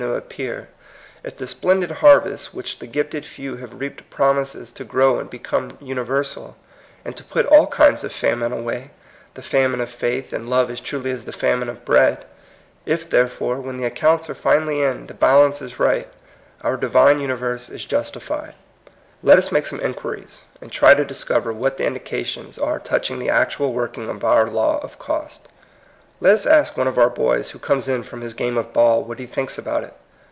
101 to appear; if the splendid harvest which the gifted few have reaped promises to grow and become universal, and to put all kinds of famine away, the famine of faith and love as truly as the famine of bread; if, therefore, when the accounts are finally in, the balance is right, — our Divine universe is justified. Let us make some inquiries, and try to discover what the indications are touching the actual working of our law of cost. Let us ask one of our boys who comes in from his game of ball what he thinks about it.